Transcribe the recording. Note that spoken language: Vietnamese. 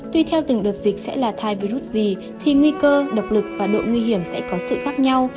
tuy theo từng đợt dịch sẽ là thai virus gì thì nguy cơ độc lực và độ nguy hiểm sẽ có sự khác nhau